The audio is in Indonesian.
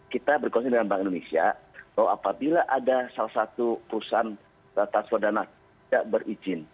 kita berkonsul dengan bank indonesia bahwa apabila ada salah satu perusahaan transfer dana tidak berizin